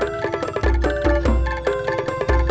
bagaimana dengan bapak